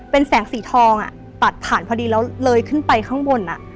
เป็นแสงสีทองตัดผ่านพอดีแล้วเลยขึ้นไปข้างบน